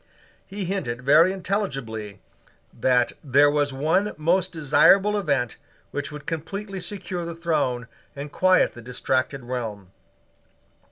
He hinted very intelligibly that there was one most desirable event which would completely secure the throne and quiet the distracted realm.